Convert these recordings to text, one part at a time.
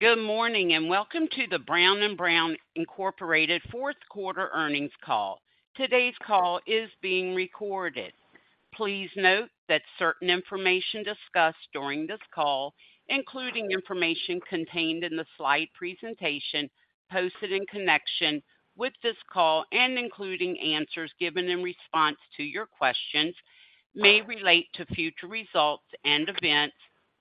Good morning, and welcome to the Brown & Brown, Inc. Fourth Quarter Earnings Call. Today's call is being recorded. Please note that certain information discussed during this call, including information contained in the slide presentation posted in connection with this call, and including answers given in response to your questions, may relate to future results and events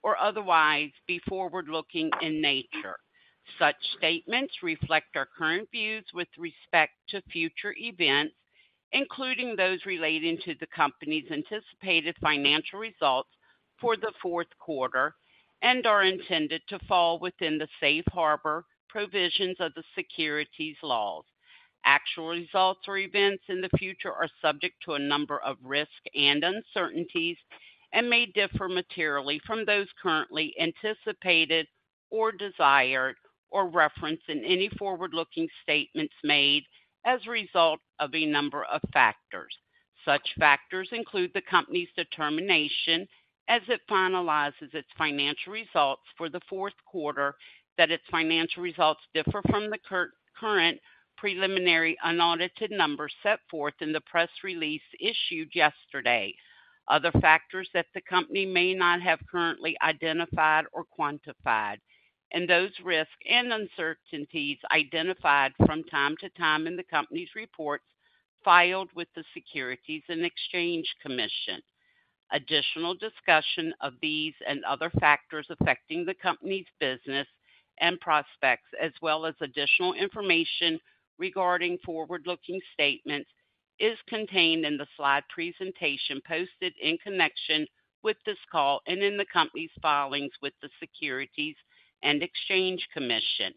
or otherwise be forward-looking in nature. Such statements reflect our current views with respect to future events, including those relating to the company's anticipated financial results for the fourth quarter, and are intended to fall within the safe harbor provisions of the securities laws. Actual results or events in the future are subject to a number of risks and uncertainties and may differ materially from those currently anticipated or desired, or referenced in any forward-looking statements made as a result of a number of factors. Such factors include the company's determination as it finalizes its financial results for the fourth quarter, that its financial results differ from the current preliminary unaudited numbers set forth in the press release issued yesterday. Other factors that the company may not have currently identified or quantified, and those risks and uncertainties identified from time to time in the company's reports filed with the Securities and Exchange Commission. Additional discussion of these and other factors affecting the company's business and prospects, as well as additional information regarding forward-looking statements, is contained in the slide presentation posted in connection with this call and in the company's filings with the Securities and Exchange Commission.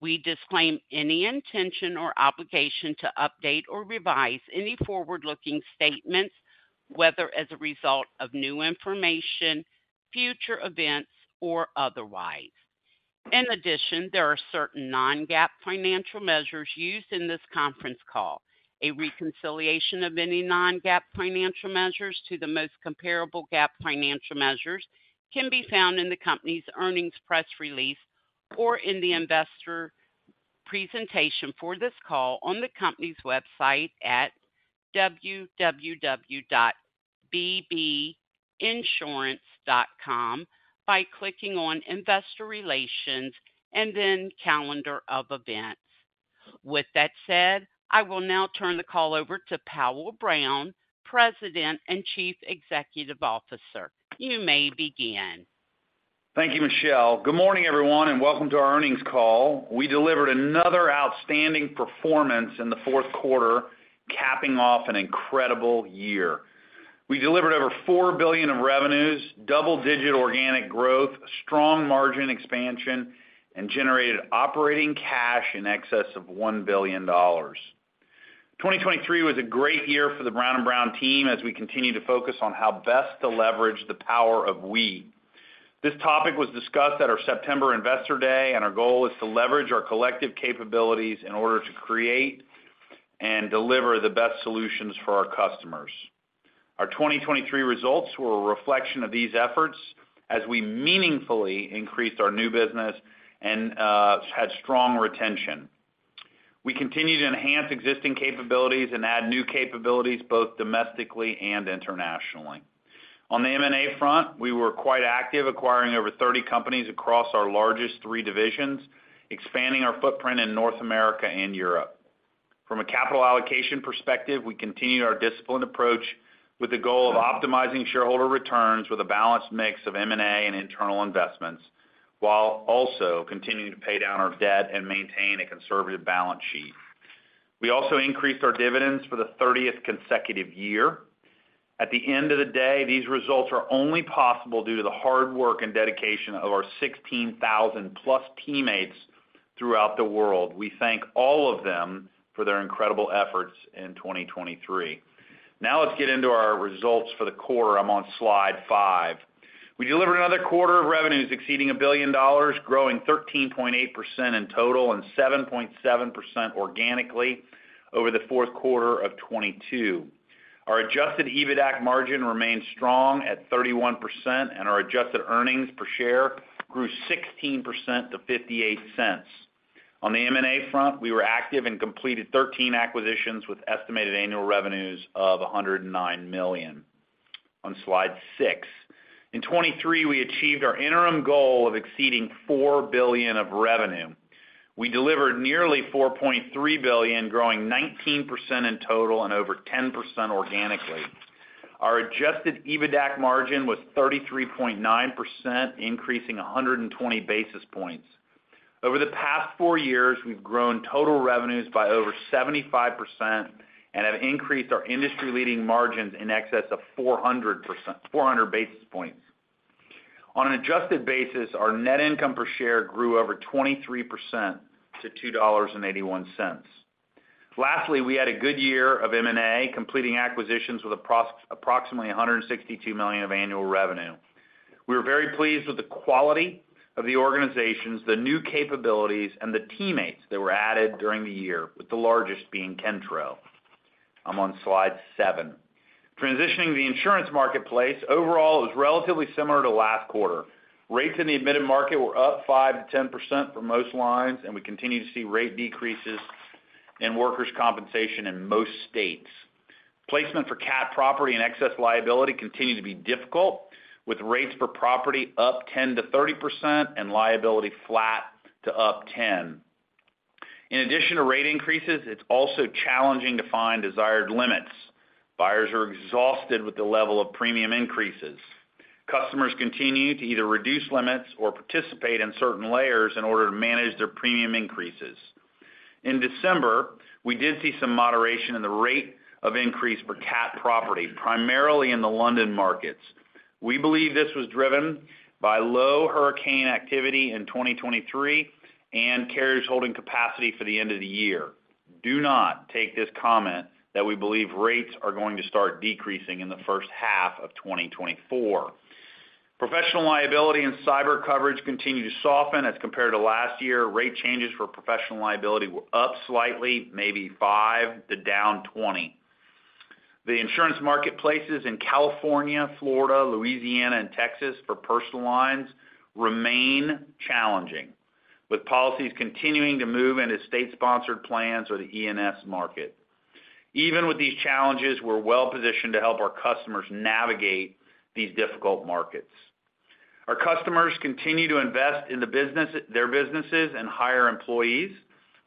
We disclaim any intention or obligation to update or revise any forward-looking statements, whether as a result of new information, future events, or otherwise. In addition, there are certain non-GAAP financial measures used in this conference call. A reconciliation of any non-GAAP financial measures to the most comparable GAAP financial measures can be found in the company's earnings press release, or in the investor presentation for this call on the company's website at www.bbinsurance.com by clicking on Investor Relations and then Calendar of Events. With that said, I will now turn the call over to Powell Brown, President and Chief Executive Officer. You may begin. Thank you, Michelle. Good morning, everyone, and welcome to our earnings call. We delivered another outstanding performance in the fourth quarter, capping off an incredible year. We delivered over $4 billion of revenues, double-digit organic growth, strong margin expansion, and generated operating cash in excess of $1 billion. 2023 was a great year for the Brown & Brown team as we continued to focus on how best to leverage the Power of We. This topic was discussed at our September Investor Day, and our goal is to leverage our collective capabilities in order to create and deliver the best solutions for our customers. Our 2023 results were a reflection of these efforts as we meaningfully increased our new business and had strong retention. We continued to enhance existing capabilities and add new capabilities, both domestically and internationally. On the M&A front, we were quite active, acquiring over 30 companies across our largest three divisions, expanding our footprint in North America and Europe. From a capital allocation perspective, we continued our disciplined approach with the goal of optimizing shareholder returns with a balanced mix of M&A and internal investments, while also continuing to pay down our debt and maintain a conservative balance sheet. We also increased our dividends for the 30th consecutive year. At the end of the day, these results are only possible due to the hard work and dedication of our 16,000+ teammates throughout the world. We thank all of them for their incredible efforts in 2023. Now, let's get into our results for the quarter. I'm on Slide 5. We delivered another quarter of revenues exceeding $1 billion, growing 13.8% in total and 7.7% organically over the fourth quarter of 2022. Our adjusted EBITDAC margin remained strong at 31%, and our adjusted earnings per share grew 16% to $0.58. On the M&A front, we were active and completed 13 acquisitions with estimated annual revenues of $109 million. On Slide 6. In 2023, we achieved our interim goal of exceeding $4 billion of revenue. We delivered nearly $4.3 billion, growing 19% in total and over 10% organically. Our adjusted EBITDAC margin was 33.9%, increasing 120 basis points. Over the past four years, we've grown total revenues by over 75% and have increased our industry-leading margins in excess of 400%—400 basis points. On an adjusted basis, our net income per share grew over 23% to $2.81. Lastly, we had a good year of M&A, completing acquisitions with approximately $162 million of annual revenue. We were very pleased with the quality of the organizations, the new capabilities, and the teammates that were added during the year, with the largest being Kentro.... I'm on Slide 7. Transitioning to the insurance marketplace, overall, it was relatively similar to last quarter. Rates in the admitted market were up 5%-10% for most lines, and we continue to see rate decreases in workers' compensation in most states. Placement for Cat property and excess liability continue to be difficult, with rates for property up 10%-30% and liability flat to up 10%. In addition to rate increases, it's also challenging to find desired limits. Buyers are exhausted with the level of premium increases. Customers continue to either reduce limits or participate in certain layers in order to manage their premium increases. In December, we did see some moderation in the rate of increase for Cat property, primarily in the London markets. We believe this was driven by low hurricane activity in 2023 and carriers holding capacity for the end of the year. Do not take this comment that we believe rates are going to start decreasing in the first half of 2024. Professional liability and cyber coverage continue to soften as compared to last year. Rate changes for professional liability were up slightly, maybe 5% to -20%. The insurance marketplaces in California, Florida, Louisiana, and Texas for personal lines remain challenging, with policies continuing to move into state-sponsored plans or the E&S market. Even with these challenges, we're well positioned to help our customers navigate these difficult markets. Our customers continue to invest in the business, their businesses and hire employees,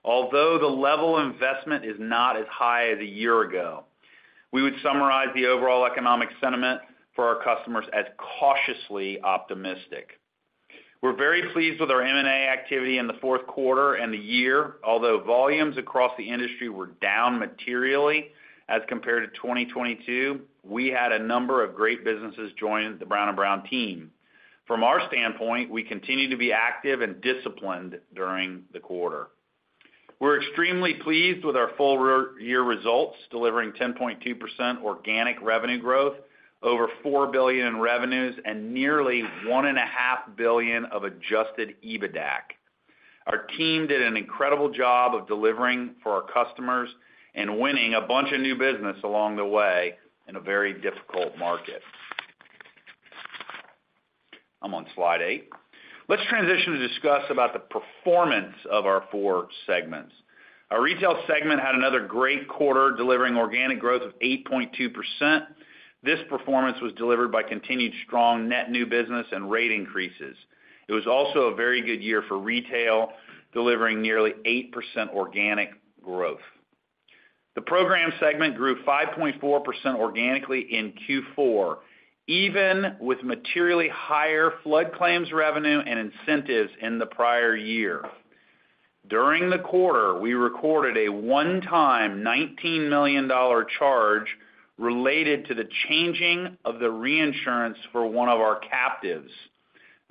although the level of investment is not as high as a year ago. We would summarize the overall economic sentiment for our customers as cautiously optimistic. We're very pleased with our M&A activity in the fourth quarter and the year. Although volumes across the industry were down materially as compared to 2022, we had a number of great businesses join the Brown & Brown team. From our standpoint, we continue to be active and disciplined during the quarter. We're extremely pleased with our full year results, delivering 10.2% organic revenue growth, over $4 billion in revenues, and nearly $1.5 billion of adjusted EBITDA. Our team did an incredible job of delivering for our customers and winning a bunch of new business along the way in a very difficult market. I'm on Slide 8. Let's transition to discuss about the performance of our four segments. Our Retail segment had another great quarter, delivering organic growth of 8.2%. This performance was delivered by continued strong net new business and rate increases. It was also a very good year for retail, delivering nearly 8% organic growth. The Programs segment grew 5.4% organically in Q4, even with materially higher flood claims revenue and incentives in the prior year. During the quarter, we recorded a one-time $19 million charge related to the changing of the reinsurance for one of our captives.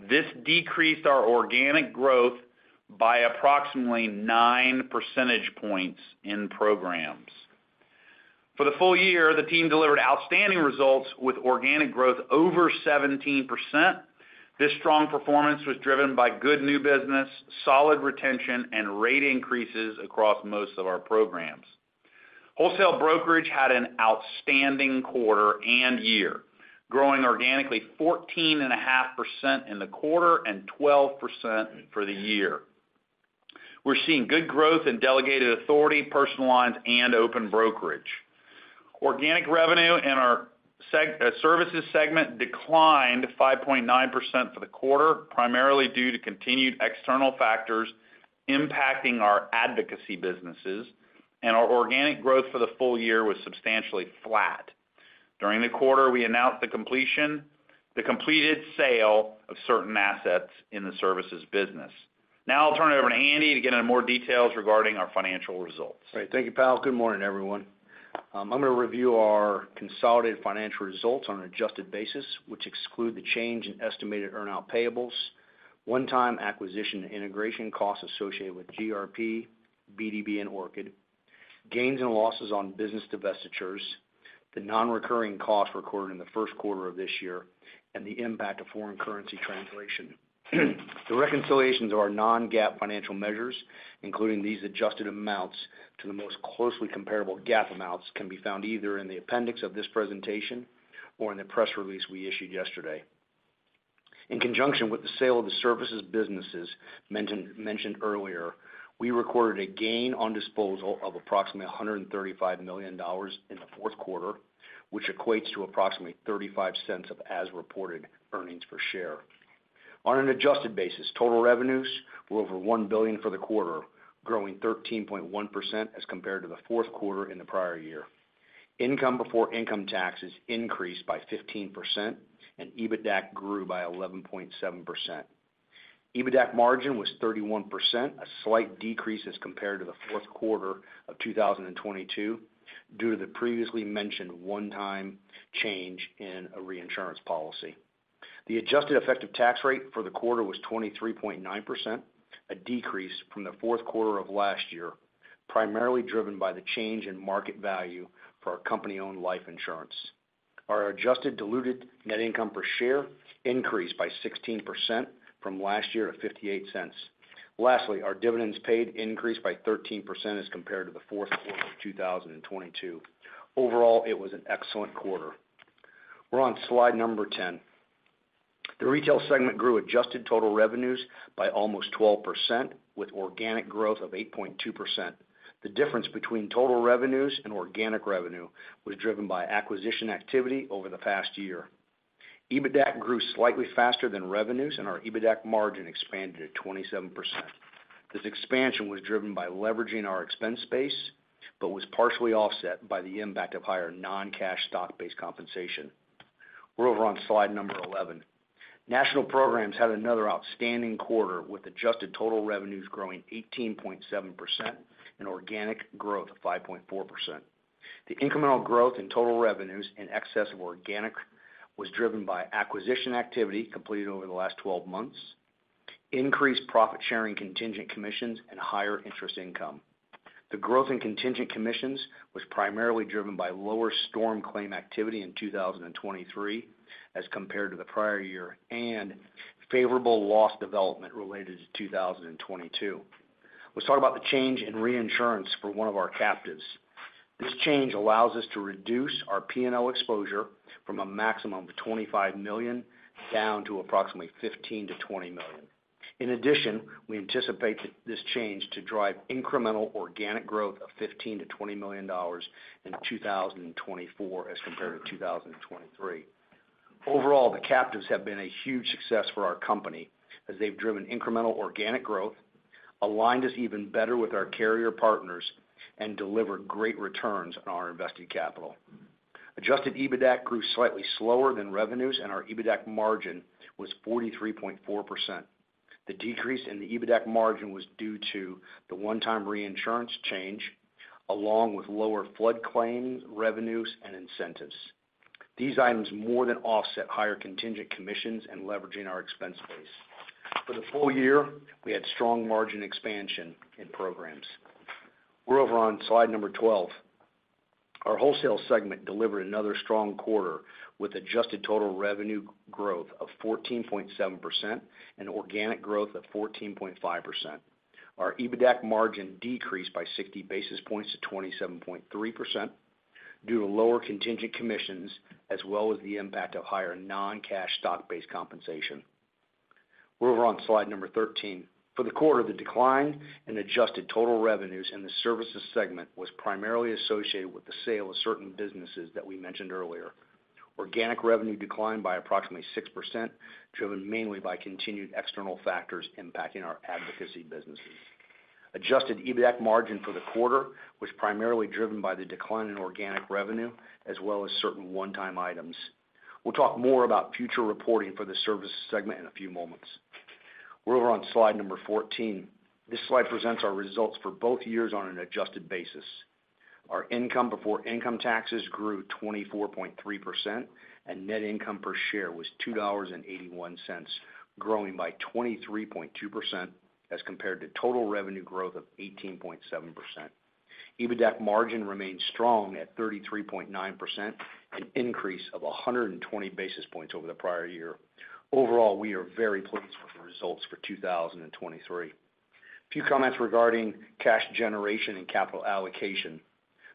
This decreased our organic growth by approximately 9 percentage points in programs. For the full year, the team delivered outstanding results with organic growth over 17%. This strong performance was driven by good new business, solid retention, and rate increases across most of our programs. Wholesale Brokerage had an outstanding quarter and year, growing organically 14.5% in the quarter and 12% for the year. We're seeing good growth in delegated authority, personal lines, and open brokerage. Organic revenue in our Services segment declined 5.9% for the quarter, primarily due to continued external factors impacting our advocacy businesses, and our organic growth for the full year was substantially flat. During the quarter, we announced the completed sale of certain assets in the services business. Now, I'll turn it over to Andy to get into more details regarding our financial results. Great. Thank you, Powell. Good morning, everyone. I'm going to review our consolidated financial results on an adjusted basis, which exclude the change in estimated earn-out payables, one-time acquisition and integration costs associated with GRP, BdB, and Orchid, gains and losses on business divestitures, the non-recurring costs recorded in the first quarter of this year, and the impact of foreign currency translation. The reconciliations of our non-GAAP financial measures, including these adjusted amounts to the most closely comparable GAAP amounts, can be found either in the appendix of this presentation or in the press release we issued yesterday. In conjunction with the sale of the services businesses mentioned, mentioned earlier, we recorded a gain on disposal of approximately $135 million in the fourth quarter, which equates to approximately $0.35 of as-reported earnings per share. On an adjusted basis, total revenues were over $1 billion for the quarter, growing 13.1% as compared to the fourth quarter in the prior year. Income before income taxes increased by 15%, and EBITDA grew by 11.7%. EBITDA margin was 31%, a slight decrease as compared to the fourth quarter of 2022, due to the previously mentioned one-time change in a reinsurance policy. The adjusted effective tax rate for the quarter was 23.9%, a decrease from the fourth quarter of last year, primarily driven by the change in market value for our company-owned life insurance. Our adjusted diluted net income per share increased by 16% from last year to $0.58. Lastly, our dividends paid increased by 13% as compared to the fourth quarter of 2022. Overall, it was an excellent quarter. We're on slide number 10. The Retail segment grew adjusted total revenues by almost 12%, with organic growth of 8.2%. The difference between total revenues and organic revenue was driven by acquisition activity over the past year. EBITDAC grew slightly faster than revenues, and our EBITDAC margin expanded to 27%. This expansion was driven by leveraging our expense base, but was partially offset by the impact of higher non-cash stock-based compensation. We're over on slide number 11. National Programs had another outstanding quarter, with adjusted total revenues growing 18.7% and organic growth of 5.4%. The incremental growth in total revenues in excess of organic was driven by acquisition activity completed over the last 12 months, increased profit sharing contingent commissions, and higher interest income. The growth in contingent commissions was primarily driven by lower storm claim activity in 2023 as compared to the prior year, and favorable loss development related to 2022. Let's talk about the change in reinsurance for one of our captives. This change allows us to reduce our P&L exposure from a maximum of $25 million down to approximately $15 million-$20 million. In addition, we anticipate this change to drive incremental organic growth of $15 million-$20 million in 2024 as compared to 2023. Overall, the captives have been a huge success for our company as they've driven incremental organic growth, aligned us even better with our carrier partners, and delivered great returns on our invested capital. Adjusted EBITDAC grew slightly slower than revenues, and our EBITDAC margin was 43.4%. The decrease in the EBITDAC margin was due to the one-time reinsurance change, along with lower flood claims, revenues, and incentives. These items more than offset higher contingent commissions and leveraging our expense base. For the full year, we had strong margin expansion in programs. We're over on Slide 12. Our Wholesale segment delivered another strong quarter, with adjusted total revenue growth of 14.7% and organic growth of 14.5%. Our EBITDAC margin decreased by 60 basis points to 27.3% due to lower contingent commissions, as well as the impact of higher non-cash stock-based compensation. We're over on Slide 13. For the quarter, the decline in adjusted total revenues in the Services segment was primarily associated with the sale of certain businesses that we mentioned earlier. Organic revenue declined by approximately 6%, driven mainly by continued external factors impacting our advocacy businesses. Adjusted EBITDAC margin for the quarter was primarily driven by the decline in organic revenue, as well as certain one-time items. We'll talk more about future reporting for the Services segment in a few moments. We're over on slide number 14. This slide presents our results for both years on an adjusted basis. Our income before income taxes grew 24.3%, and net income per share was $2.81, growing by 23.2% as compared to total revenue growth of 18.7%. EBITDAC margin remained strong at 33.9%, an increase of 100 basis points over the prior year. Overall, we are very pleased with the results for 2023. A few comments regarding cash generation and capital allocation.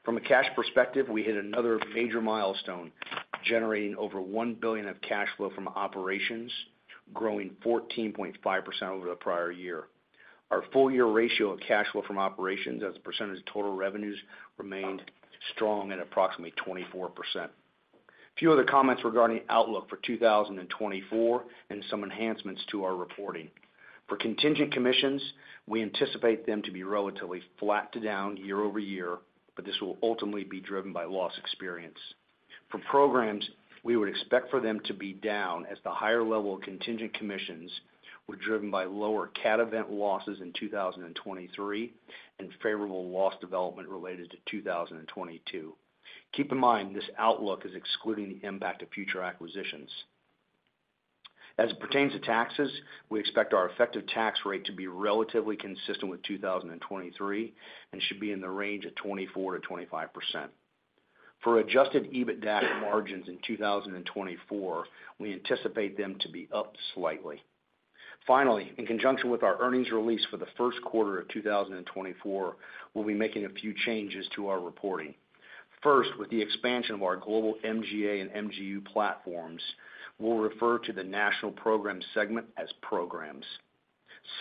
From a cash perspective, we hit another major milestone, generating over $1 billion of cash flow from operations, growing 14.5% over the prior year. Our full year ratio of cash flow from operations as a percentage of total revenues remained strong at approximately 24%. A few other comments regarding outlook for 2024 and some enhancements to our reporting. For contingent commissions, we anticipate them to be relatively flat to down year-over-year, but this will ultimately be driven by loss experience. For programs, we would expect for them to be down, as the higher level of contingent commissions were driven by lower Cat event losses in 2023 and favorable loss development related to 2022. Keep in mind, this outlook is excluding the impact of future acquisitions. As it pertains to taxes, we expect our effective tax rate to be relatively consistent with 2023, and should be in the range of 24%-25%. For Adjusted EBITDAC margins in 2024, we anticipate them to be up slightly. Finally, in conjunction with our earnings release for the first quarter of 2024, we'll be making a few changes to our reporting. First, with the expansion of our global MGA and MGU platforms, we'll refer to the National Program segment as Programs.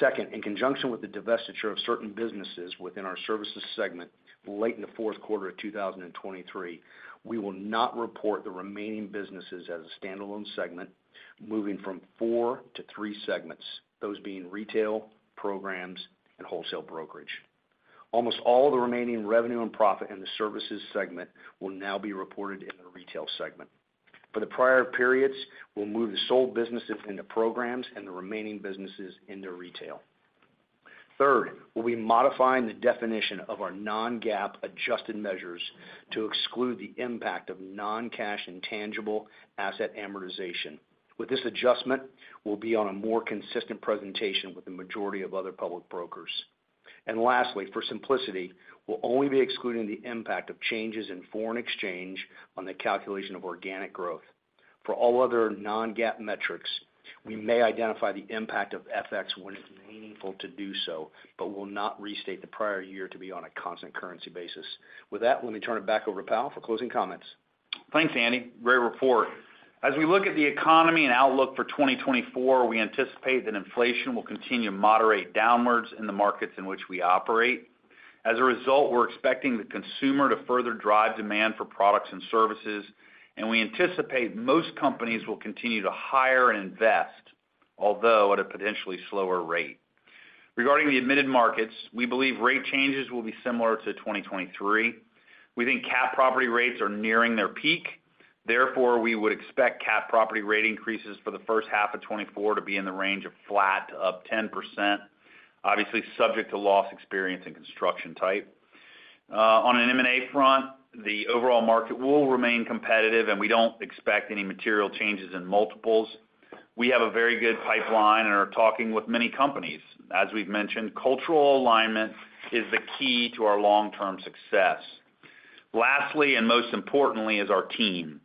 Second, in conjunction with the divestiture of certain businesses within our Services segment late in the fourth quarter of 2023, we will not report the remaining businesses as a standalone segment, moving from four to three segments, those being Retail, Programs, and Wholesale Brokerage. Almost all of the remaining revenue and profit in the Services segment will now be reported in the Retail segment. For the prior periods, we'll move the sold businesses into Programs and the remaining businesses into Retail. Third, we'll be modifying the definition of our non-GAAP adjusted measures to exclude the impact of non-cash intangible asset amortization. With this adjustment, we'll be on a more consistent presentation with the majority of other public brokers... And lastly, for simplicity, we'll only be excluding the impact of changes in foreign exchange on the calculation of organic growth. For all other non-GAAP metrics, we may identify the impact of FX when it's meaningful to do so, but will not restate the prior year to be on a constant currency basis. With that, let me turn it back over to Powell for closing comments. Thanks, Andy. Great report. As we look at the economy and outlook for 2024, we anticipate that inflation will continue to moderate downwards in the markets in which we operate. As a result, we're expecting the consumer to further drive demand for products and services, and we anticipate most companies will continue to hire and invest, although at a potentially slower rate. Regarding the admitted markets, we believe rate changes will be similar to 2023. We think Cat property rates are nearing their peak, therefore, we would expect Cat property rate increases for the first half of 2024 to be in the range of flat to up 10%, obviously subject to loss experience and construction type. On an M&A front, the overall market will remain competitive, and we don't expect any material changes in multiples. We have a very good pipeline and are talking with many companies. As we've mentioned, cultural alignment is the key to our long-term success. Lastly, and most importantly, is our team.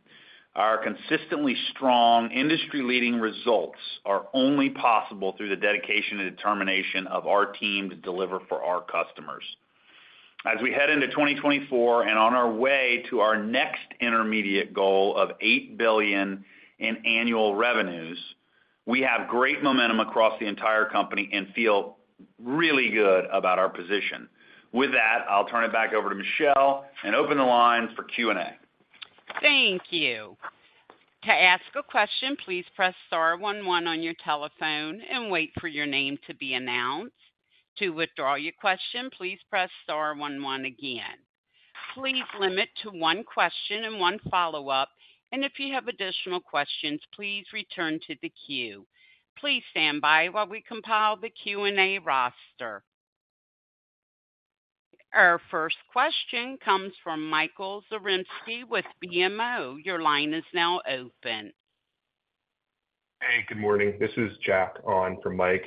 Our consistently strong industry-leading results are only possible through the dedication and determination of our team to deliver for our customers. As we head into 2024 and on our way to our next intermediate goal of $8 billion in annual revenues, we have great momentum across the entire company and feel really good about our position. With that, I'll turn it back over to Michelle and open the lines for Q&A. Thank you. To ask a question, please press star one one on your telephone and wait for your name to be announced. To withdraw your question, please press star one one again. Please limit to one question and one follow-up, and if you have additional questions, please return to the queue. Please stand by while we compile the Q&A roster. Our first question comes from Michael Zaremski with BMO. Your line is now open. Hey, good morning. This is Jack on for Mike.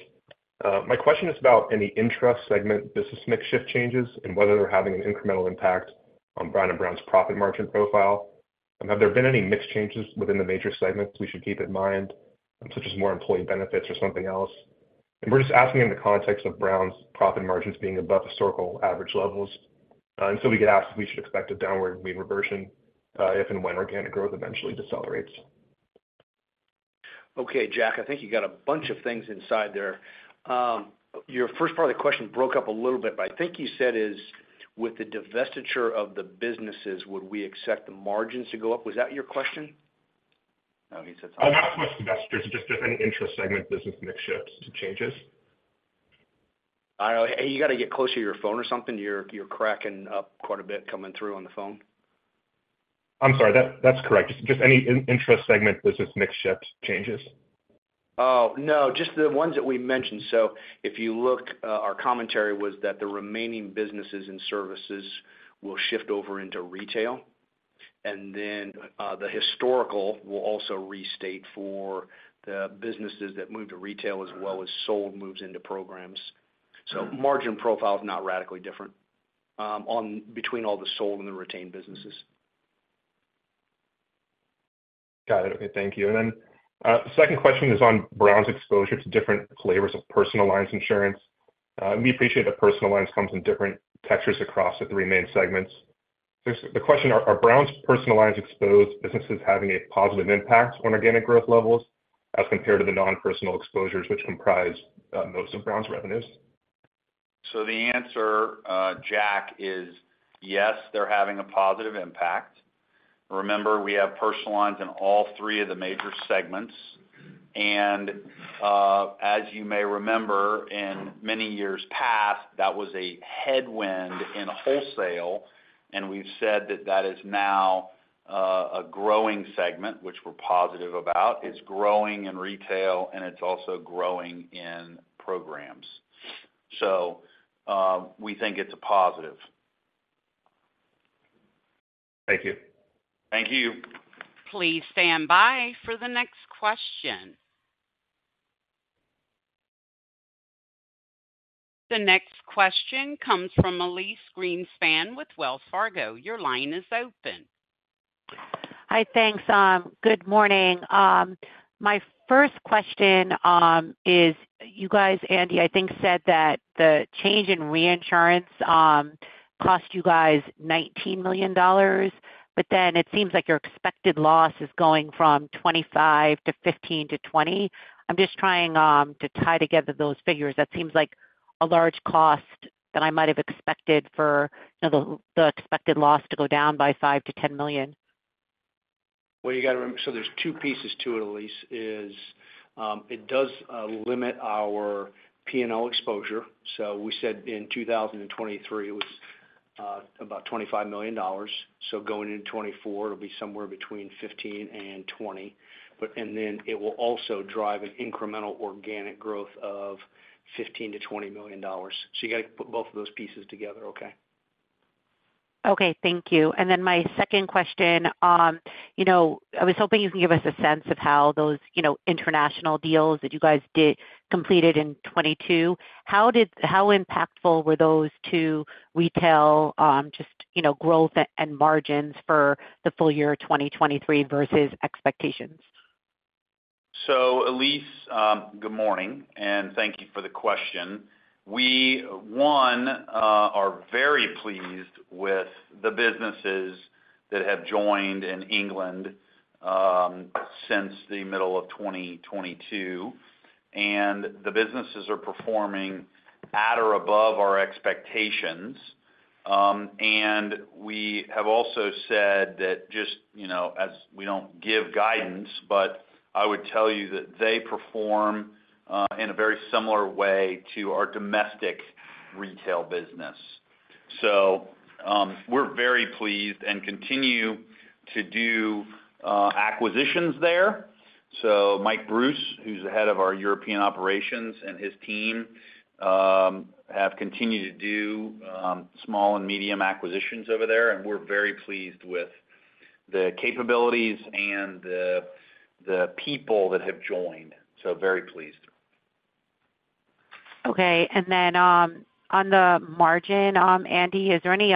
My question is about any intra-segment business mix shift changes and whether they're having an incremental impact on Brown & Brown's profit margin profile. And have there been any mix changes within the major segments we should keep in mind, such as more employee benefits or something else? And we're just asking in the context of Brown's profit margins being above historical average levels, and so we get asked if we should expect a downward mean reversion, if and when organic growth eventually decelerates. Okay, Jack, I think you got a bunch of things inside there. Your first part of the question broke up a little bit, but I think you said is, with the divestiture of the businesses, would we accept the margins to go up? Was that your question? No, he said- Not with divestitures, just if any intra-segment business mix shifts to changes. I know. Hey, you got to get closer to your phone or something? You're, you're cracking up quite a bit coming through on the phone. I'm sorry. That's correct. Just any intra-segment business mix shifts, changes. Oh, no, just the ones that we mentioned. So if you look, our commentary was that the remaining businesses in Services will shift over into retail, and then, the historical will also restate for the businesses that moved to retail as well as sold moves into programs. So margin profile is not radically different, on between all the sold and the retained businesses. Got it. Okay, thank you. And then, the second question is on Brown's exposure to different flavors of personal lines insurance. We appreciate that personal lines comes in different textures across the three main segments. The question, are Brown's personal lines exposed businesses having a positive impact on organic growth levels as compared to the non-personal exposures, which comprise, most of Brown's revenues? So the answer, Jack, is yes, they're having a positive impact. Remember, we have personal lines in all three of the major segments, and as you may remember, in many years past, that was a headwind in wholesale, and we've said that that is now a growing segment, which we're positive about. It's growing in retail, and it's also growing in programs. So, we think it's a positive. Thank you. Thank you. Please stand by for the next question. The next question comes from Elyse Greenspan with Wells Fargo. Your line is open. Hi, thanks. Good morning. My first question is you guys, Andy, I think, said that the change in reinsurance cost you guys $19 million, but then it seems like your expected loss is going from 25 to 15 to 20. I'm just trying to tie together those figures. That seems like a large cost than I might have expected for the expected loss to go down by $5 million-$10 million. Well, you got to remember, so there's two pieces to it, Elyse. It does limit our P&L exposure. So we said in 2023, it was about $25 million, so going into 2024, it'll be somewhere between $15 million and $20 million. But and then it will also drive an incremental organic growth of $15 million-$20 million. So you got to put both of those pieces together, okay? Okay, thank you. And then my second question, you know, I was hoping you can give us a sense of how those, you know, international deals that you guys did completed in 2022, how impactful were those to retail, just, you know, growth and margins for the full year 2023 versus expectations? So Elyse, good morning, and thank you for the question. We are very pleased with the businesses that have joined in England since the middle of 2022, and the businesses are performing at or above our expectations. And we have also said that just, you know, as we don't give guidance, but I would tell you that they perform in a very similar way to our domestic retail business. So we're very pleased and continue to do acquisitions there. So Mike Bruce, who's the head of our European operations, and his team have continued to do small and medium acquisitions over there, and we're very pleased with the capabilities and the people that have joined. So very pleased. Okay. And then, on the margin, Andy, is there any,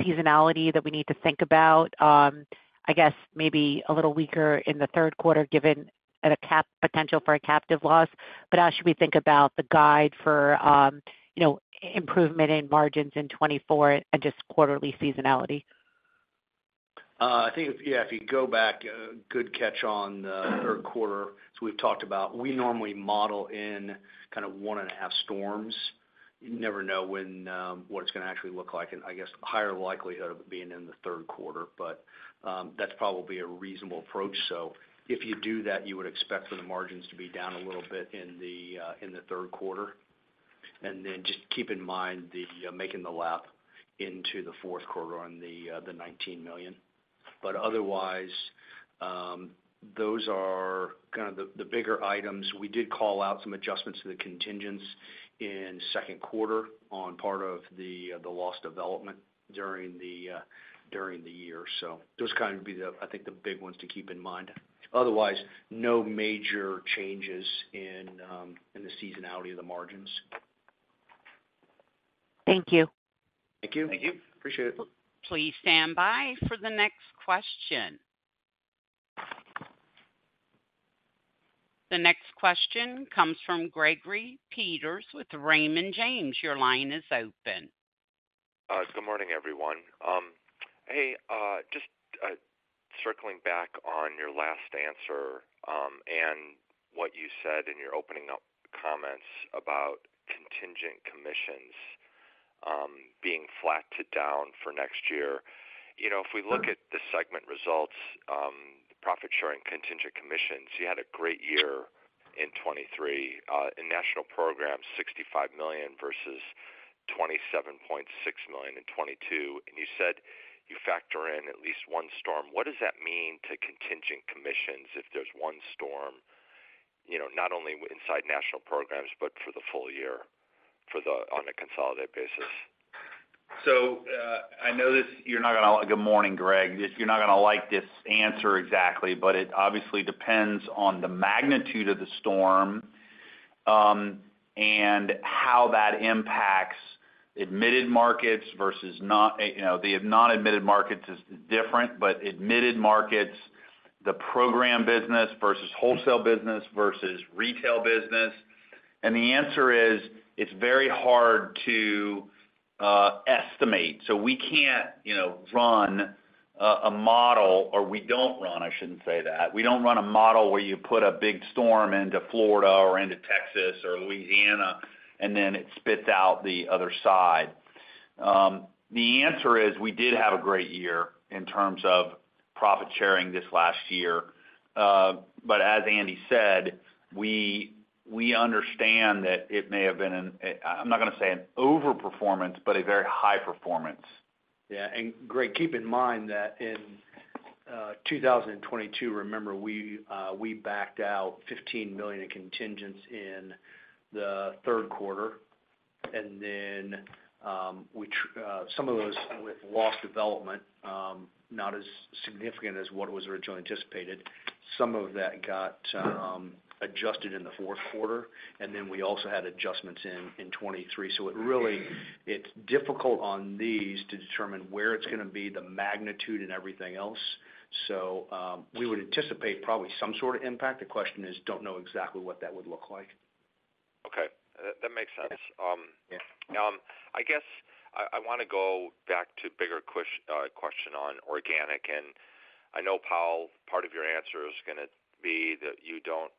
seasonality that we need to think about? I guess maybe a little weaker in the third quarter, given a cap potential for a Captive loss. But how should we think about the guide for, you know, improvement in margins in 2024 and just quarterly seasonality? I think, yeah, if you go back, good catch on the third quarter. So we've talked about, we normally model in kind of 1.5 storms. You never know when, what it's going to actually look like, and I guess higher likelihood of it being in the third quarter, but, that's probably a reasonable approach. So if you do that, you would expect for the margins to be down a little bit in the, in the third quarter. And then just keep in mind the, making the lap into the fourth quarter on the, the $19 million. But otherwise, those are kind of the, the bigger items. We did call out some adjustments to the contingents in second quarter on part of the, the loss development during the, during the year. So those kind of be the, I think, the big ones to keep in mind. Otherwise, no major changes in the seasonality of the margins. Thank you. Thank you. Thank you. Appreciate it. Please stand by for the next question. The next question comes from Gregory Peters with Raymond James. Your line is open. Good morning, everyone. Hey, just circling back on your last answer, and what you said in your opening up comments about contingent commissions being flat to down for next year. You know, if we look at the segment results, profit sharing, contingent commissions, you had a great year in 2023, in national programs, $65 million versus $27.6 million in 2022, and you said you factor in at least one storm. What does that mean to contingent commissions if there's one storm, you know, not only inside national programs, but for the full year for the, on a consolidated basis? Good morning, Greg. You're not going to like this answer exactly, but it obviously depends on the magnitude of the storm, and how that impacts admitted markets versus not, you know, the non-admitted markets is different, but admitted markets, the program business versus wholesale business versus retail business. And the answer is, it's very hard to estimate. So we can't, you know, run a model or we don't run, I shouldn't say that. We don't run a model where you put a big storm into Florida or into Texas or Louisiana, and then it spits out the other side. The answer is we did have a great year in terms of profit sharing this last year. But as Andy said, we understand that it may have been. I'm not going to say an overperformance, but a very high performance. Yeah, and Greg, keep in mind that in 2022, remember, we backed out $15 million in contingents in the third quarter, and then some of those with loss development not as significant as what was originally anticipated. Some of that got adjusted in the fourth quarter, and then we also had adjustments in 2023. So it really, it's difficult on these to determine where it's going to be, the magnitude and everything else. So we would anticipate probably some sort of impact. The question is, don't know exactly what that would look like. Okay, that makes sense. Yeah. I guess I want to go back to a bigger question on organic, and I know, Powell, part of your answer is going to be that you don't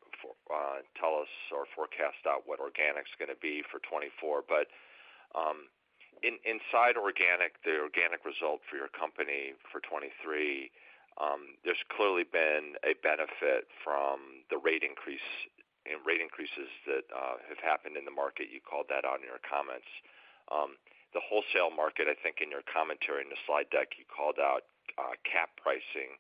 tell us or forecast out what organic is going to be for 2024. But, inside organic, the organic result for your company for 2023, there's clearly been a benefit from the rate increase and rate increases that have happened in the market. You called that out in your comments. The wholesale market, I think in your commentary in the slide deck, you called out Cat pricing,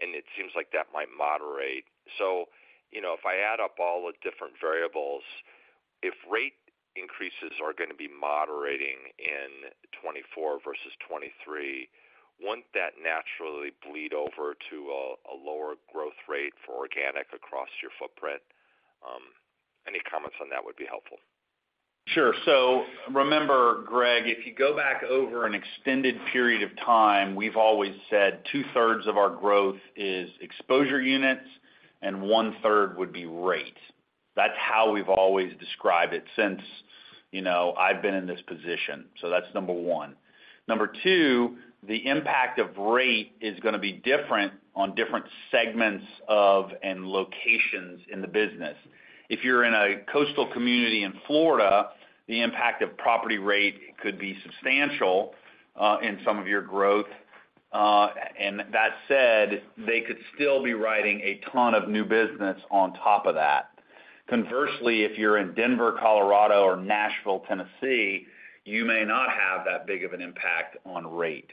and it seems like that might moderate. So, you know, if I add up all the different variables,... If rate increases are going to be moderating in 2024 versus 2023, won't that naturally bleed over to a lower growth rate for organic across your footprint? Any comments on that would be helpful. Sure. So remember, Greg, if you go back over an extended period of time, we've always said two-thirds of our growth is exposure units and 1/3rd would be rate. That's how we've always described it since, you know, I've been in this position. So that's number one. Number two, the impact of rate is going to be different on different segments of, and locations in the business. If you're in a coastal community in Florida, the impact of property rate could be substantial in some of your growth. And that said, they could still be writing a ton of new business on top of that. Conversely, if you're in Denver, Colorado, or Nashville, Tennessee, you may not have that big of an impact on rate.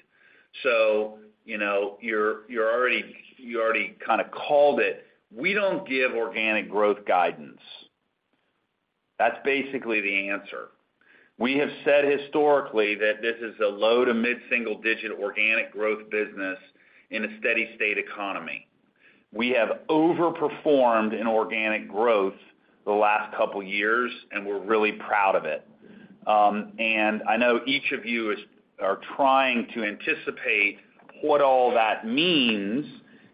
So you know, you're already kind of called it. We don't give organic growth guidance. That's basically the answer. We have said historically that this is a low- to mid-single-digit organic growth business in a steady state economy. We have overperformed in organic growth the last couple of years, and we're really proud of it. And I know each of you are trying to anticipate what all that means.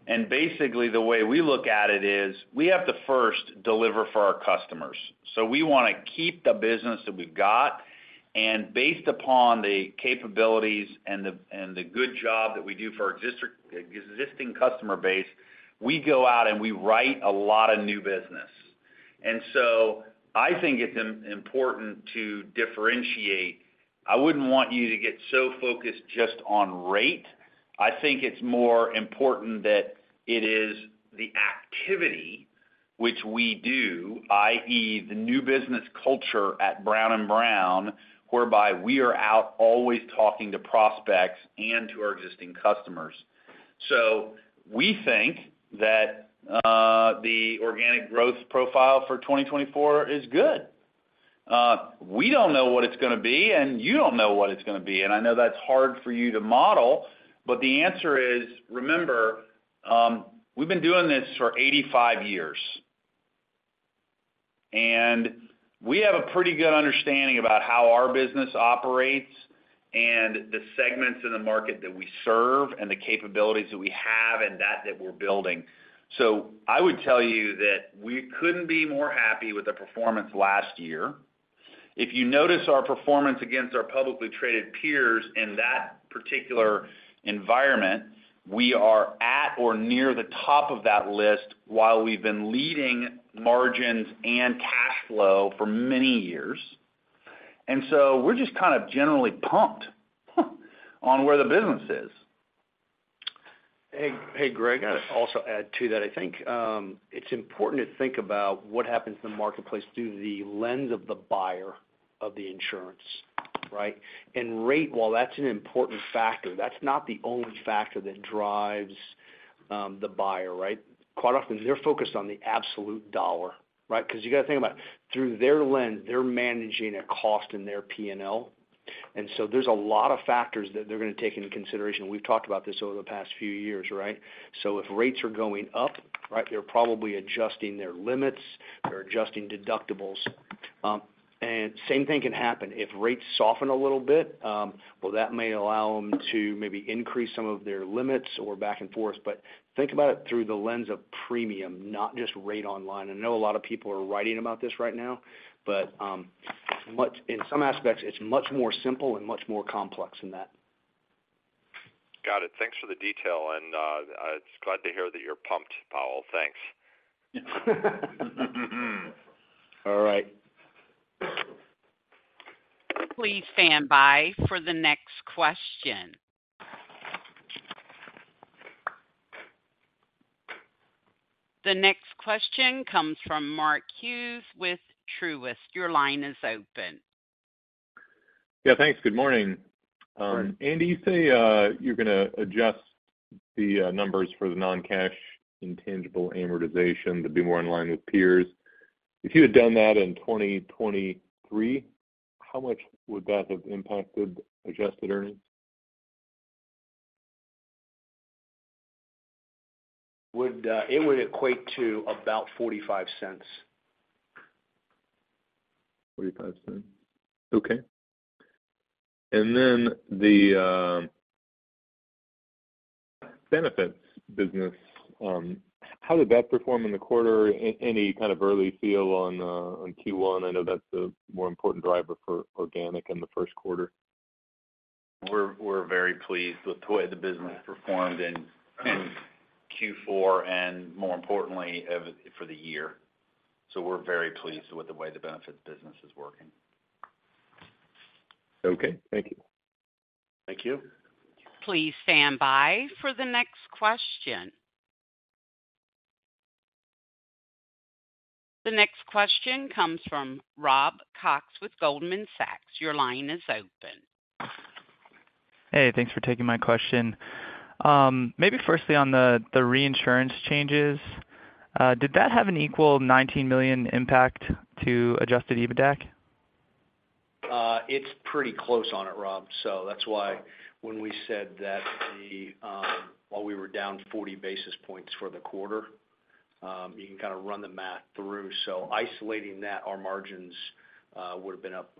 And basically, the way we look at it is, we have to first deliver for our customers. So we want to keep the business that we've got, and based upon the capabilities and the good job that we do for our existing customer base, we go out and we write a lot of new business. And so I think it's important to differentiate. I wouldn't want you to get so focused just on rate. I think it's more important that it is the activity which we do, i.e., the new business culture at Brown & Brown, whereby we are out always talking to prospects and to our existing customers. So we think that, the organic growth profile for 2024 is good. We don't know what it's going to be, and you don't know what it's going to be, and I know that's hard for you to model, but the answer is, remember, we've been doing this for 85 years. And we have a pretty good understanding about how our business operates and the segments in the market that we serve and the capabilities that we have and that, that we're building. So I would tell you that we couldn't be more happy with the performance last year. If you notice our performance against our publicly traded peers in that particular environment, we are at or near the top of that list, while we've been leading margins and cash flow for many years. And so we're just kind of generally pumped, on where the business is. Hey, hey, Greg, I'd also add to that. I think it's important to think about what happens in the marketplace through the lens of the buyer of the insurance, right? And rate, while that's an important factor, that's not the only factor that drives the buyer, right? Quite often, they're focused on the absolute dollar, right? Because you got to think about through their lens, they're managing a cost in their P&L. And so there's a lot of factors that they're going to take into consideration. We've talked about this over the past few years, right? So if rates are going up, right, they're probably adjusting their limits, they're adjusting deductibles. And same thing can happen. If rates soften a little bit, well, that may allow them to maybe increase some of their limits or back and forth, but think about it through the lens of premium, not just rate on line. I know a lot of people are writing about this right now, but, in some aspects, it's much more simple and much more complex than that. Got it. Thanks for the detail, and I was glad to hear that you're pumped, Powell. Thanks. All right. Please stand by for the next question. The next question comes from Mark Hughes with Truist. Your line is open. Yeah, thanks. Good morning. Good morning. Andy, you say you're going to adjust the numbers for the non-cash intangible amortization to be more in line with peers. If you had done that in 2023, how much would that have impacted adjusted earnings? It would equate to about $0.45. $0.45. Okay. And then the benefits business, how did that perform in the quarter? Any kind of early feel on Q1? I know that's a more important driver for organic in the first quarter. We're very pleased with the way the business performed in Q4 and, more importantly, for the year. So we're very pleased with the way the benefits business is working. Okay, thank you. Thank you. Please stand by for the next question. The next question comes from Rob Cox with Goldman Sachs. Your line is open. Hey, thanks for taking my question. Maybe firstly, on the reinsurance changes, did that have a $19 million impact to adjusted EBITDA? It's pretty close on it, Rob. So that's why when we said that... While we were down 40 basis points for the quarter, you can kind of run the math through. So isolating that, our margins would have been up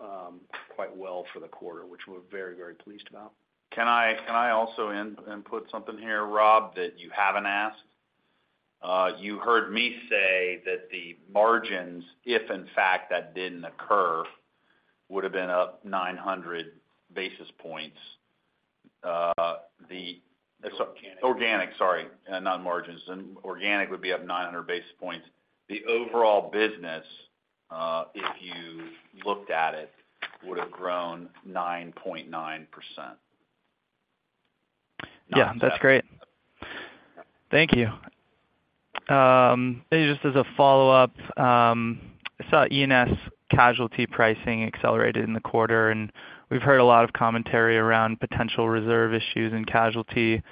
quite well for the quarter, which we're very, very pleased about. Can I also input something here, Rob, that you haven't asked? You heard me say that the margins, if in fact that didn't occur, would have been up 900 basis points. The- Organic. Organic, sorry, not margins. Organic would be up 900 basis points. The overall business, if you looked at it, would have grown 9.9%. Yeah, that's great. Thank you. Maybe just as a follow-up, I saw E&S casualty pricing accelerated in the quarter, and we've heard a lot of commentary around potential reserve issues and casualty.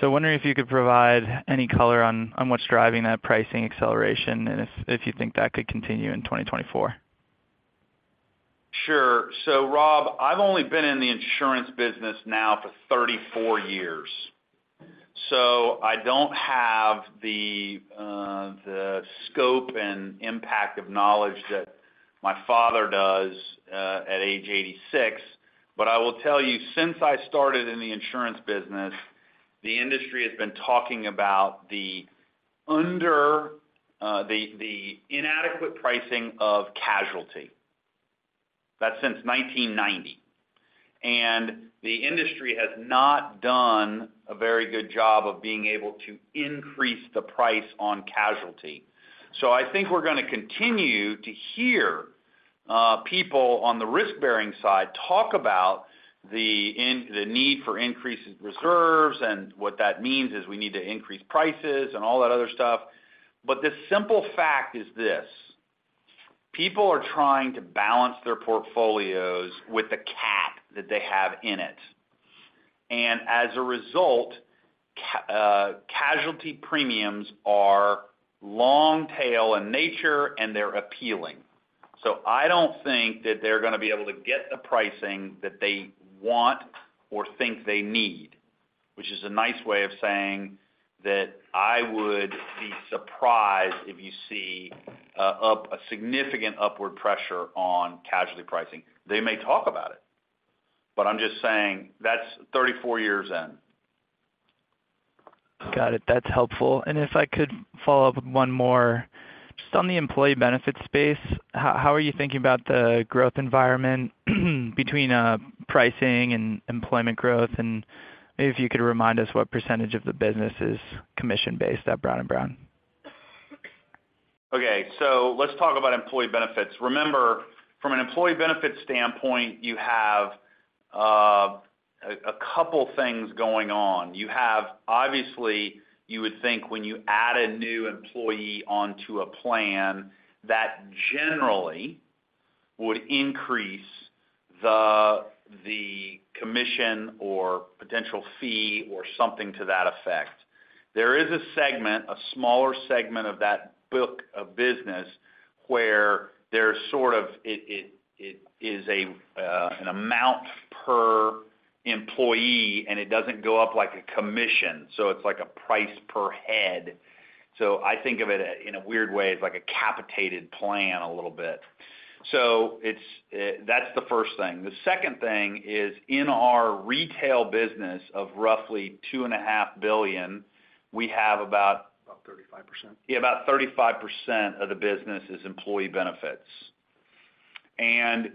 So wondering if you could provide any color on what's driving that pricing acceleration, and if you think that could continue in 2024? Sure. So Rob, I've only been in the insurance business now for 34 years, so I don't have the scope and impact of knowledge that my father does at age 86. But I will tell you, since I started in the insurance business, the industry has been talking about the inadequate pricing of casualty. That's since 1990, and the industry has not done a very good job of being able to increase the price on casualty. So I think we're going to continue to hear people on the risk-bearing side talk about the need for increased reserves, and what that means is we need to increase prices and all that other stuff. But the simple fact is this: people are trying to balance their portfolios with the cap that they have in it, and as a result, casualty premiums are long tail in nature, and they're appealing. So I don't think that they're going to be able to get the pricing that they want or think they need, which is a nice way of saying that I would be surprised if you see a significant upward pressure on casualty pricing. They may talk about it, but I'm just saying that's 34 years in. Got it. That's helpful. If I could follow up with one more. Just on the employee benefits space, how are you thinking about the growth environment, between pricing and employment growth? Maybe if you could remind us what percentage of the business is commission-based at Brown & Brown? Okay, so let's talk about employee benefits. Remember, from an employee benefit standpoint, you have a couple things going on. You have obviously, you would think when you add a new employee onto a plan, that generally would increase the commission or potential fee or something to that effect. There is a segment, a smaller segment of that book of business, where there's sort of it is an amount per employee, and it doesn't go up like a commission, so it's like a price per head. So I think of it in a weird way, it's like a capitated plan a little bit. So that's the first thing. The second thing is in our retail business of roughly $2.5 billion, we have about- About 35%. Yeah, about 35% of the business is employee benefits. And,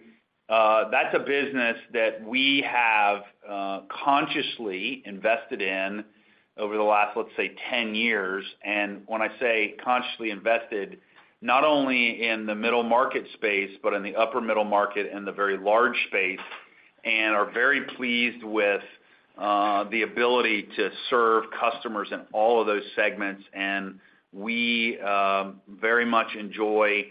that's a business that we have, consciously invested in over the last, let's say, 10 years. And when I say consciously invested, not only in the middle market space, but in the upper middle market and the very large space, and are very pleased with, the ability to serve customers in all of those segments. And we, very much enjoy,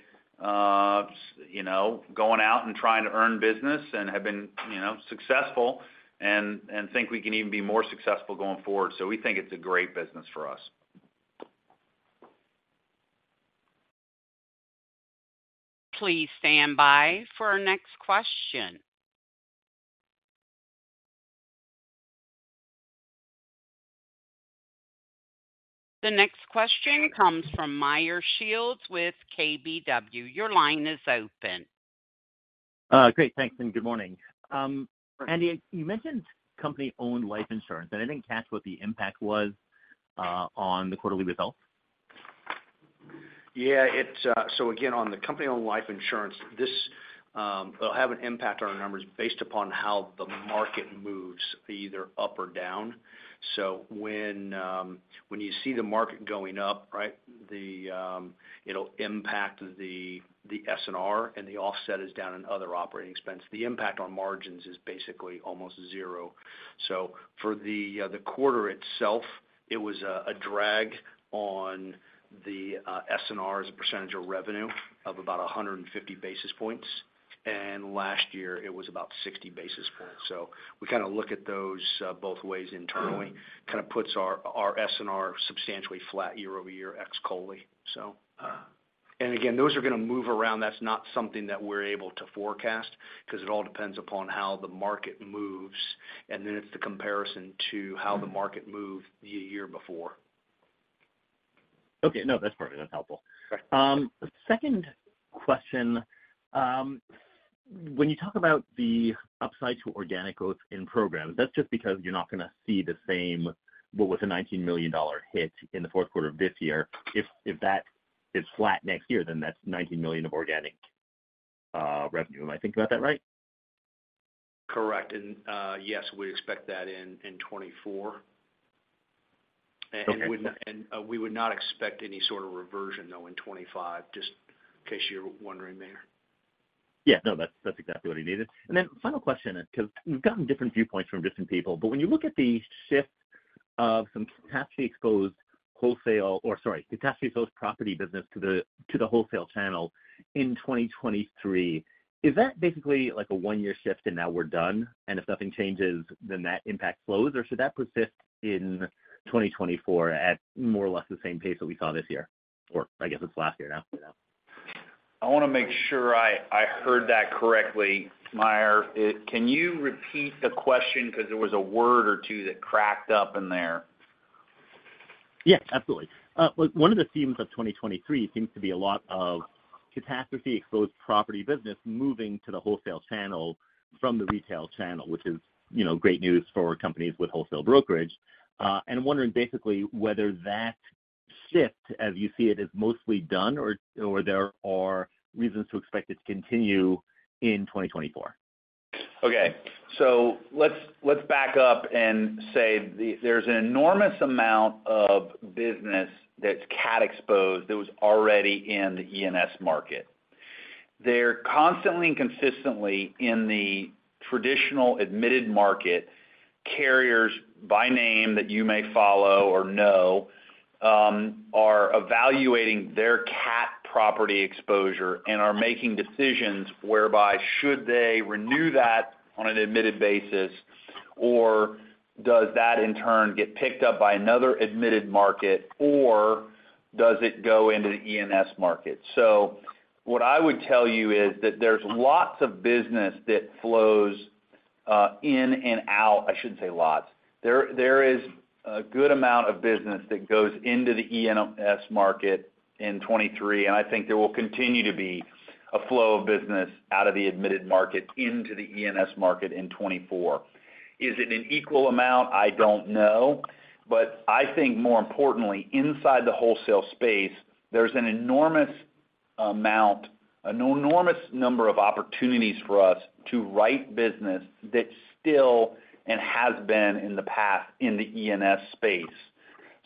you know, going out and trying to earn business and have been, you know, successful and, and think we can even be more successful going forward. So we think it's a great business for us. Please stand by for our next question. The next question comes from Meyer Shields with KBW. Your line is open. Great, thanks, and good morning. Andy, you mentioned company-owned life insurance, but I didn't catch what the impact was on the quarterly results. Yeah, it's, so again, on the company-owned life insurance, this, will have an impact on our numbers based upon how the market moves, either up or down. So when, when you see the market going up, right, the, it'll impact the, the S&R and the offset is down in other operating expenses. The impact on margins is basically almost zero. So for the, the quarter itself, it was a, a drag on the, S&R as a percentage of revenue of about 150 basis points.... and last year it was about 60 basis points. So we kind of look at those, both ways internally. Kind of puts our, our S&R substantially flat year-over-year ex COLI. So, and again, those are going to move around. That's not something that we're able to forecast because it all depends upon how the market moves, and then it's the comparison to how the market moved the year before. Okay. No, that's perfect. That's helpful. Right. Second question. When you talk about the upside to organic growth in programs, that's just because you're not going to see the same, what was a $19 million hit in the fourth quarter of this year. If that is flat next year, then that's $19 million of organic revenue. Am I thinking about that right? Correct. Yes, we expect that in 2024. Okay. We would not expect any sort of reversion, though, in 2025, just in case you're wondering there. Yeah, no, that's, that's exactly what I needed. And then final question, because we've gotten different viewpoints from different people, but when you look at the shift of some catastrophe-exposed wholesale, or sorry, catastrophe-exposed property business to the, to the wholesale channel in 2023, is that basically like a one-year shift and now we're done? And if nothing changes, then that impact flows, or should that persist in 2024 at more or less the same pace that we saw this year, or I guess it's last year now? I want to make sure I heard that correctly, Meyer. Can you repeat the question because there was a word or two that cracked up in there? Yes, absolutely. One of the themes of 2023 seems to be a lot of catastrophe-exposed property business moving to the wholesale channel from the retail channel, which is, you know, great news for companies with Wholesale Brokerage. And I'm wondering basically whether that shift, as you see it, is mostly done or there are reasons to expect it to continue in 2024. Okay, so let's, let's back up and say the-- there's an enormous amount of business that's Cat exposed that was already in the E&S market. They're constantly and consistently in the traditional admitted market, carriers by name that you may follow or know, are evaluating their Cat property exposure and are making decisions whereby should they renew that on an admitted basis, or does that in turn get picked up by another admitted market, or does it go into the E&S market? So what I would tell you is that there's lots of business that flows, in and out. I shouldn't say lots. There, there is a good amount of business that goes into the E&S market in 2023, and I think there will continue to be a flow of business out of the admitted market into the E&S market in 2024. Is it an equal amount? I don't know. But I think more importantly, inside the wholesale space, there's an enormous amount, an enormous number of opportunities for us to write business that still and has been in the past in the E&S space.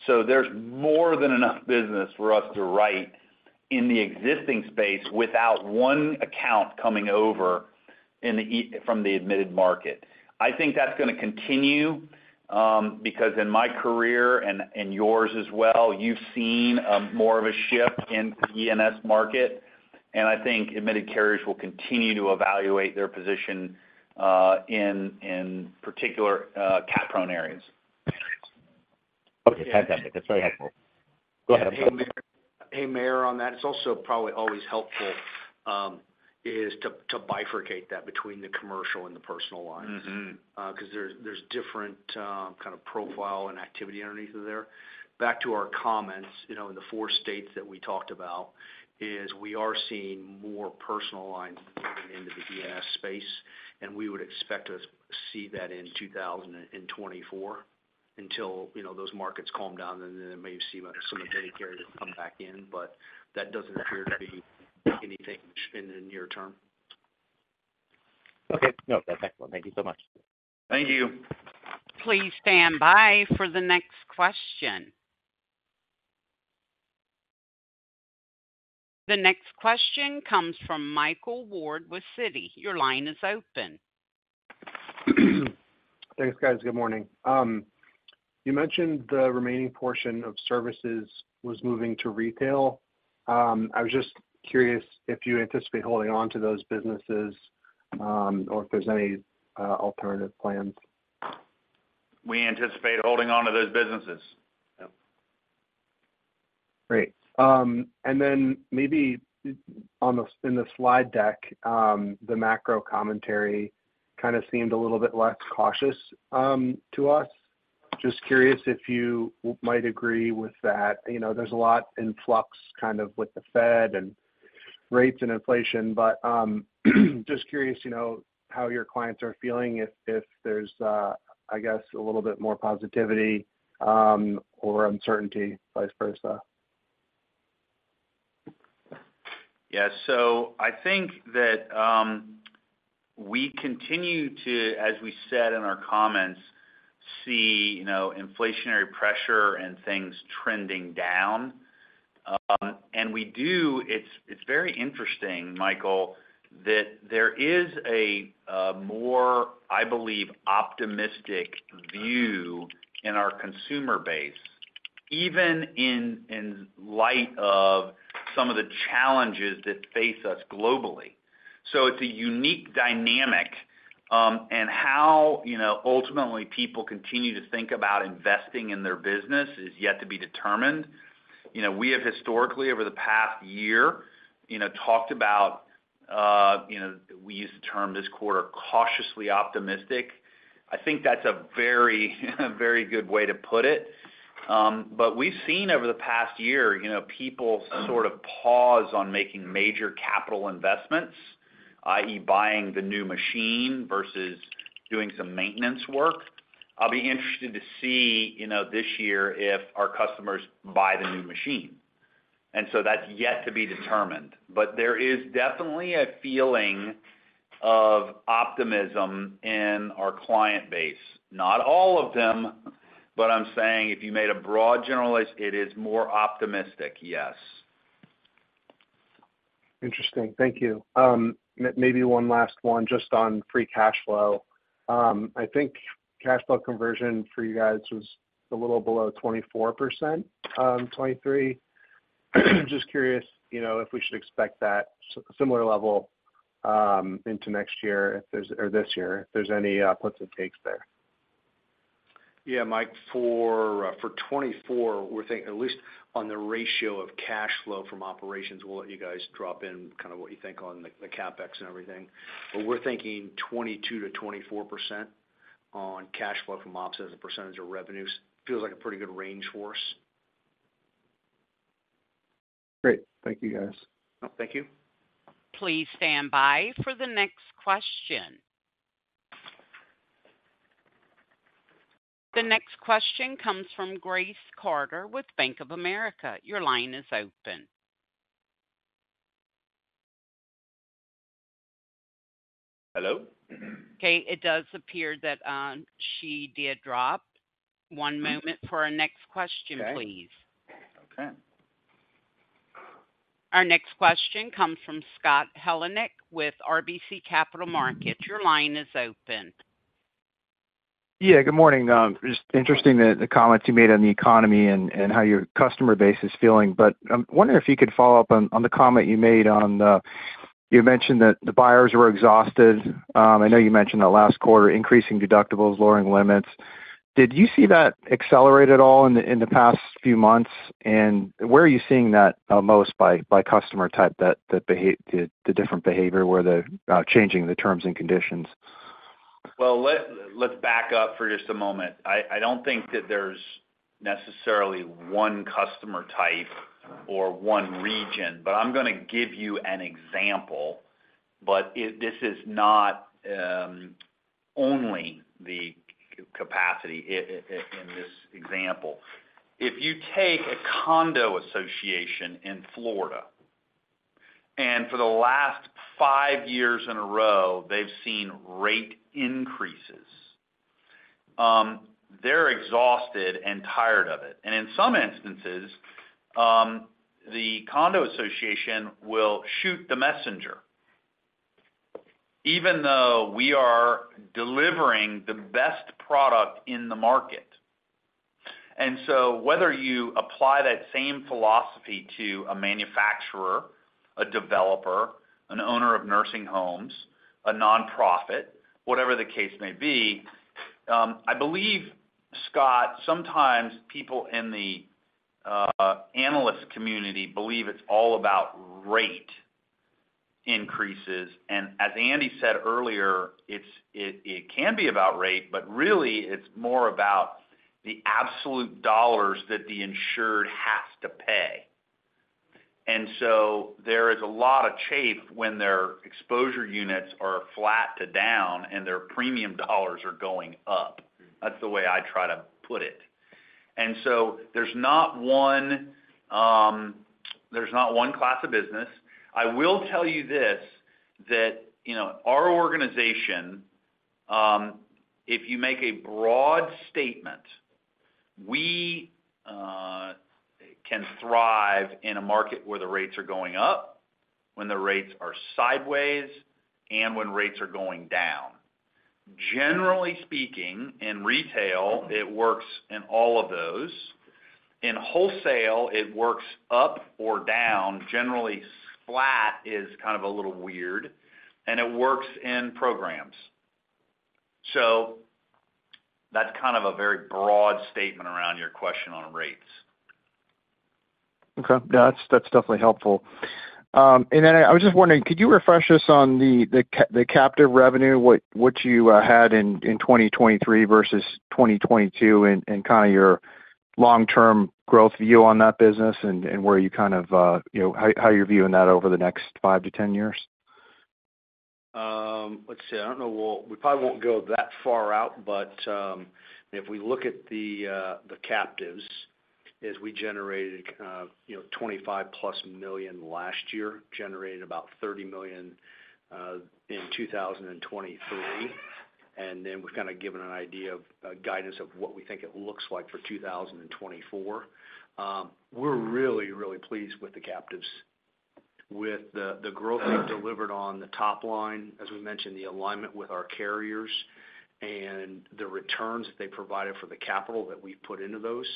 So there's more than enough business for us to write in the existing space without one account coming over in the E&S from the admitted market. I think that's going to continue because in my career and yours as well, you've seen more of a shift in the E&S market, and I think admitted carriers will continue to evaluate their position in particular cat-prone areas. Okay, fantastic. That's very helpful. Go ahead. Hey, Meyer, on that, it's also probably always helpful to bifurcate that between the commercial and the personal lines. Mm-hmm. Because there's different kind of profile and activity underneath of there. Back to our comments, you know, in the four states that we talked about, is we are seeing more personal lines coming into the E&S space, and we would expect to see that in 2024 until, you know, those markets calm down, and then maybe see some of the dedicated carriers come back in. But that doesn't appear to be anything in the near term. Okay. No, that's excellent. Thank you so much. Thank you. Please stand by for the next question. The next question comes from Michael Ward with Citi. Your line is open. Thanks, guys. Good morning. You mentioned the remaining portion of services was moving to retail. I was just curious if you anticipate holding on to those businesses, or if there's any alternative plans? We anticipate holding on to those businesses. Yeah. Great. And then maybe in the slide deck, the macro commentary kind of seemed a little bit less cautious, to us. Just curious if you might agree with that. You know, there's a lot in flux, kind of with the Fed and rates and inflation, but, just curious, you know, how your clients are feeling if, if there's, I guess, a little bit more positivity, or uncertainty, vice versa. Yes. So I think that we continue to, as we said in our comments, see, you know, inflationary pressure and things trending down. And it's very interesting, Michael, that there is a more, I believe, optimistic view in our consumer base, even in light of some of the challenges that face us globally. So it's a unique dynamic, and how, you know, ultimately people continue to think about investing in their business is yet to be determined. You know, we have historically, over the past year, you know, talked about, you know, we use the term this quarter, cautiously optimistic. I think that's a very, very good way to put it. But we've seen over the past year, you know, people sort of pause on making major capital investments, i.e., buying the new machine versus doing some maintenance work. I'll be interested to see, you know, this year, if our customers buy the new machine. And so that's yet to be determined. But there is definitely a feeling of optimism in our client base. Not all of them, but I'm saying if you made a broad generalization, it is more optimistic, yes. Interesting. Thank you. Maybe one last one, just on free cash flow. I think cash flow conversion for you guys was a little below 24%, 23%. Just curious, you know, if we should expect that similar level into next year or this year, if there's any puts and takes there? Yeah, Mike, for 2024, we're thinking at least on the ratio of cash flow from operations, we'll let you guys drop in kind of what you think on the CapEx and everything. But we're thinking 22%-24% on cash flow from ops as a percentage of revenues. Feels like a pretty good range for us. Great. Thank you, guys. Oh, thank you. Please stand by for the next question. The next question comes from Grace Carter with Bank of America. Your line is open. Hello? Okay, it does appear that she did drop. One moment for our next question, please. Okay. Our next question comes from Scott Heleniak with RBC Capital Markets. Your line is open. Yeah, good morning. Just interesting, the comments you made on the economy and how your customer base is feeling. But I'm wondering if you could follow up on the comment you made on. You mentioned that the buyers were exhausted. I know you mentioned that last quarter, increasing deductibles, lowering limits. Did you see that accelerate at all in the past few months? And where are you seeing that most by customer type, that behavior, the different behavior, where the changing the terms and conditions? Well, let's back up for just a moment. I don't think that there's necessarily one customer type or one region, but I'm gonna give you an example. But it this is not only the capacity in this example. If you take a condo association in Florida, and for the last five years in a row, they've seen rate increases, they're exhausted and tired of it. And in some instances, the condo association will shoot the messenger, even though we are delivering the best product in the market. And so whether you apply that same philosophy to a manufacturer, a developer, an owner of nursing homes, a nonprofit, whatever the case may be, I believe, Scott, sometimes people in the analyst community believe it's all about rate increases. As Andy said earlier, it can be about rate, but really, it's more about the absolute dollars that the insured has to pay. So there is a lot of chafe when their exposure units are flat to down and their premium dollars are going up. That's the way I try to put it. So there's not one class of business. I will tell you this, you know, our organization, if you make a broad statement, we can thrive in a market where the rates are going up, when the rates are sideways, and when rates are going down. Generally speaking, in retail, it works in all of those. In wholesale, it works up or down. Generally, flat is kind of a little weird, and it works in programs. That's kind of a very broad statement around your question on rates. Okay. Yeah, that's, that's definitely helpful. And then I was just wondering, could you refresh us on the captive revenue, what you had in 2023 versus 2022, and kind of your long-term growth view on that business and where you kind of, you know, how you're viewing that over the next 5-10 years? Let's see. I don't know, we'll, we probably won't go that far out, but, if we look at the captives, as we generated, you know, $25+ million last year, generated about $30 million in 2023. And then we've kind of given an idea of guidance of what we think it looks like for 2024. We're really, really pleased with the captives.... with the growth they've delivered on the top line, as we mentioned, the alignment with our carriers and the returns that they provided for the capital that we've put into those,